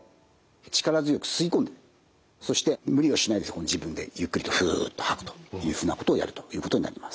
力強く吸い込んでそして無理をしないで自分でゆっくりとフッと吐くというふうなことをやるということになります。